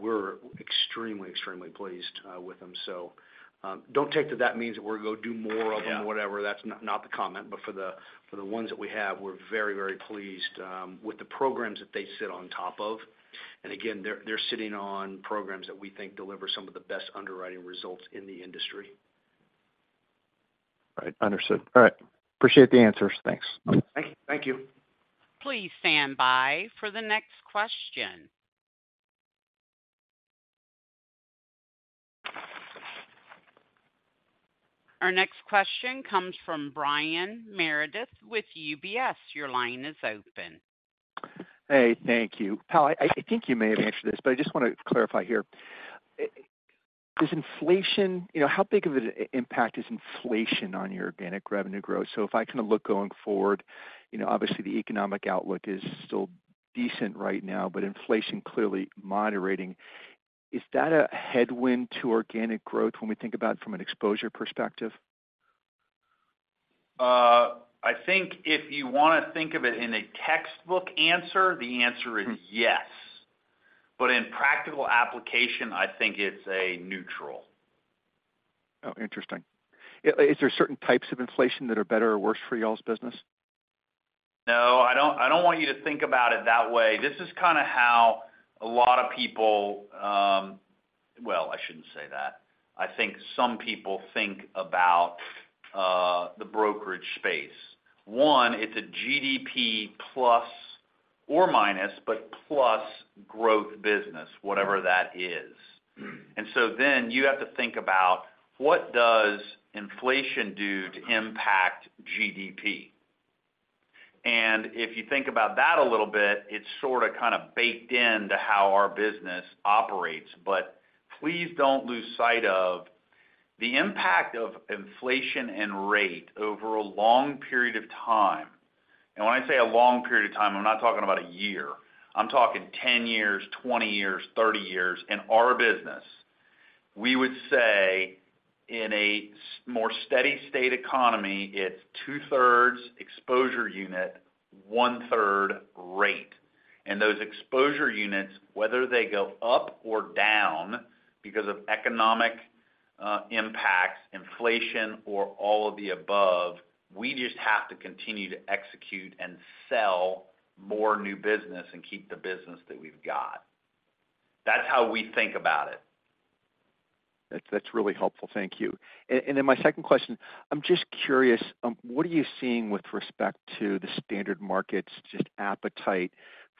we're extremely, extremely pleased with them. So, don't take that means that we're going to do more of them or whatever. That's not the comment. But for the ones that we have, we're very, very pleased with the programs that they sit on top of. And again, they're sitting on programs that we think deliver some of the best underwriting results in the industry. Right, understood. All right. Appreciate the answers. Thanks. Thank you. Please stand by for the next question. Our next question comes from Brian Meredith with UBS. Your line is open. Hey, thank you. Powell, I think you may have answered this, but I just want to clarify here. Does inflation—you know, how big of an impact is inflation on your organic revenue growth? So if I kind of look going forward, you know, obviously, the economic outlook is still decent right now, but inflation clearly moderating. Is that a headwind to organic growth when we think about it from an exposure perspective? I think if you want to think of it in a textbook answer, the answer is yes. But in practical application, I think it's a neutral. Oh, interesting. Is there certain types of inflation that are better or worse for y'all's business? No, I don't, I don't want you to think about it that way. This is kind of how a lot of people, Well, I shouldn't say that. I think some people think about, the brokerage space. One, it's a GDP plus or minus, but plus growth business, whatever that is. Mm-hmm. You have to think about what does inflation do to impact GDP? If you think about that a little bit, it's sort of, kind of baked into how our business operates. But please don't lose sight of the impact of inflation and rate over a long period of time. When I say a long period of time, I'm not talking about a year. I'm talking 10 years, 20 years, 30 years. In our business, we would say in a more steady state economy, it's 2/3 exposure unit, 1/3 rate. Those exposure units, whether they go up or down because of economic, impacts, inflation, or all of the above, we just have to continue to execute and sell more new business and keep the business that we've got. That's how we think about it. That's really helpful. Thank you. And then my second question, I'm just curious, what are you seeing with respect to the standard markets, just appetite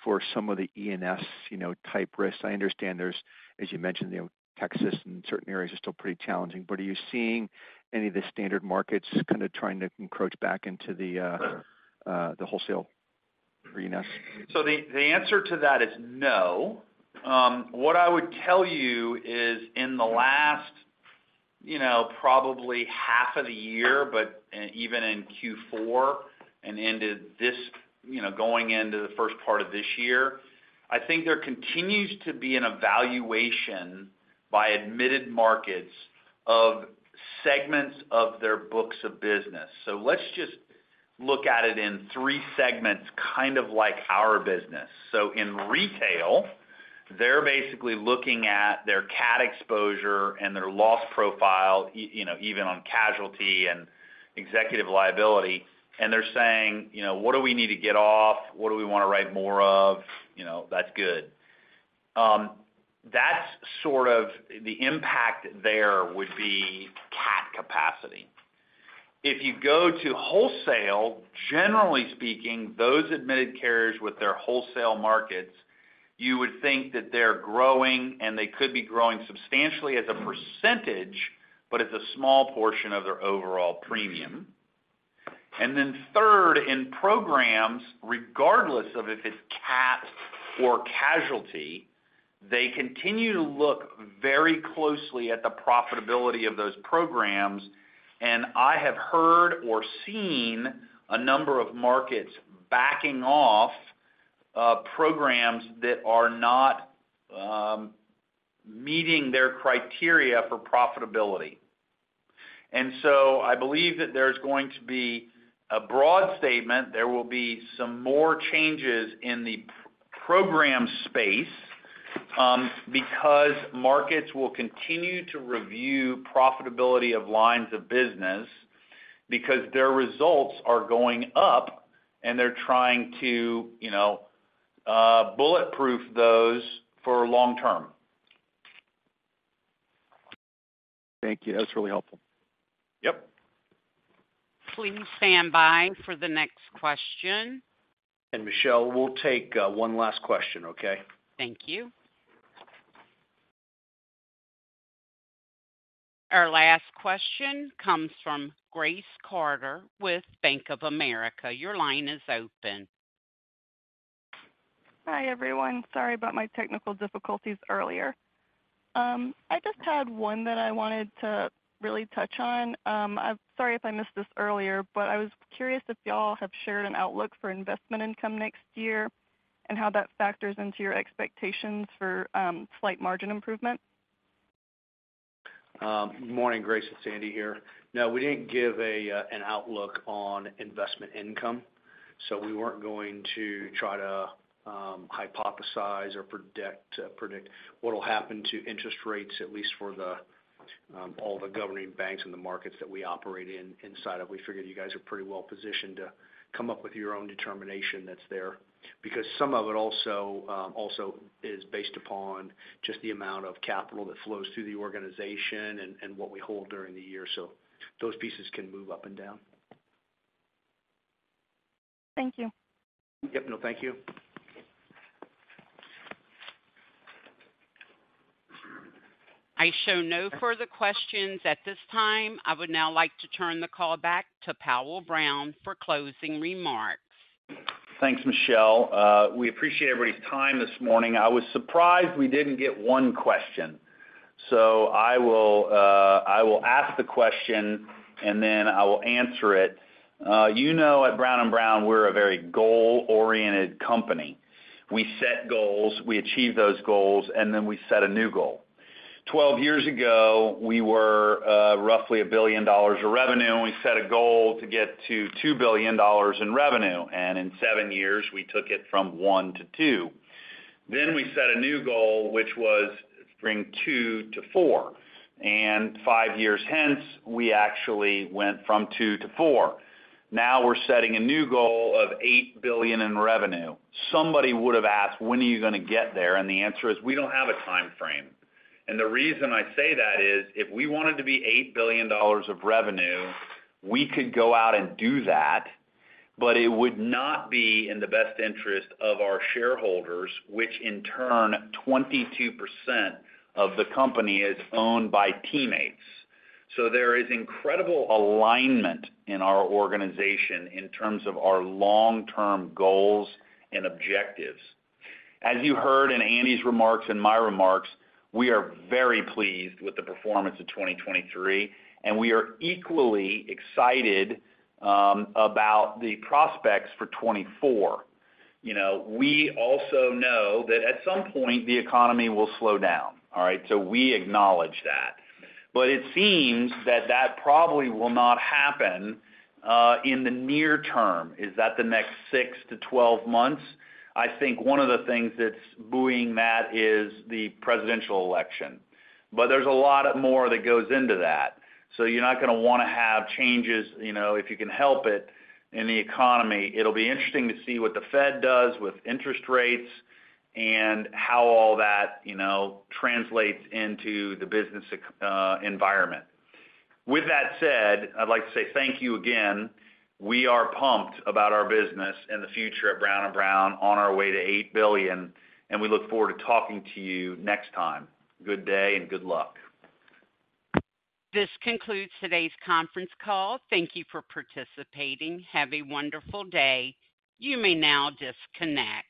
for some of the E&S, you know, type risks? I understand there's, as you mentioned, you know, Texas and certain areas are still pretty challenging, but are you seeing any of the standard markets kind of trying to encroach back into the wholesale arena? So the answer to that is no. What I would tell you is in the last, you know, probably half of the year, but and even in Q4 and into this you know, going into the first part of this year, I think there continues to be an evaluation by admitted markets of segments of their books of business. So let's just look at it in three segments, kind of like our business. So in retail, they're basically looking at their Cat exposure and their loss profile, you know, even on casualty and executive liability. And they're saying, you know, "What do we need to get off? What do we want to write more of?" You know, that's good. That's sort of the impact there would be Cat capacity. If you go to wholesale, generally speaking, those admitted carriers with their wholesale markets, you would think that they're growing, and they could be growing substantially as a percentage, but it's a small portion of their overall premium. And then third, in programs, regardless of if it's Cat or casualty, they continue to look very closely at the profitability of those programs, and I have heard or seen a number of markets backing off programs that are not meeting their criteria for profitability. And so I believe that there's going to be a broad statement. There will be some more changes in the program space, because markets will continue to review profitability of lines of business, because their results are going up, and they're trying to, you know, bulletproof those for long term. Thank you. That's really helpful. Yep. Please stand by for the next question. Michelle, we'll take one last question, okay? Thank you. Our last question comes from Grace Carter with Bank of America. Your line is open. Hi, everyone. Sorry about my technical difficulties earlier. I just had one that I wanted to really touch on. I'm sorry if I missed this earlier, but I was curious if y'all have shared an outlook for investment income next year?... and how that factors into your expectations for, slight margin improvement? Good morning, Grace, it's Andy here. No, we didn't give an outlook on investment income, so we weren't going to try to hypothesize or predict what'll happen to interest rates, at least for all the governing banks and the markets that we operate in, inside of. We figured you guys are pretty well positioned to come up with your own determination that's there. Because some of it also is based upon just the amount of capital that flows through the organization and what we hold during the year. So those pieces can move up and down. Thank you. Yep, no, thank you. I show no further questions at this time. I would now like to turn the call back to Powell Brown for closing remarks. Thanks, Michelle. We appreciate everybody's time this morning. I was surprised we didn't get one question, so I will, I will ask the question, and then I will answer it. You know, at Brown & Brown, we're a very goal-oriented company. We set goals, we achieve those goals, and then we set a new goal. 12 years ago, we were roughly $1 billion of revenue, and we set a goal to get to $2 billion in revenue, and in 7 years, we took it from 1 to 2. Then we set a new goal, which was bring 2 to 4, and 5 years hence, we actually went from 2 to 4. Now, we're setting a new goal of $8 billion in revenue. Somebody would have asked, "When are you gonna get there?" And the answer is: we don't have a timeframe. The reason I say that is, if we wanted to be $8 billion of revenue, we could go out and do that, but it would not be in the best interest of our shareholders, which in turn, 22% of the company is owned by teammates. So there is incredible alignment in our organization in terms of our long-term goals and objectives. As you heard in Andy's remarks and my remarks, we are very pleased with the performance of 2023, and we are equally excited about the prospects for 2024. You know, we also know that at some point, the economy will slow down. All right? So we acknowledge that. But it seems that that probably will not happen in the near term. Is that the next 6-12 months? I think one of the things that's buoying that is the presidential election, but there's a lot more that goes into that. So you're not gonna wanna have changes, you know, if you can help it, in the economy. It'll be interesting to see what the Fed does with interest rates and how all that, you know, translates into the business environment. With that said, I'd like to say thank you again. We are pumped about our business and the future at Brown & Brown on our way to $8 billion, and we look forward to talking to you next time. Good day and good luck. This concludes today's conference call. Thank you for participating. Have a wonderful day. You may now disconnect.